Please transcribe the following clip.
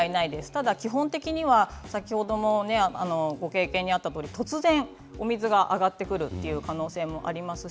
ただ基本的には先ほどご経験にあったとおり突然お水が上がってくるという可能性もあります。